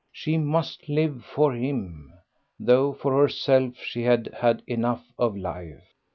She must live for him; though for herself she had had enough of life.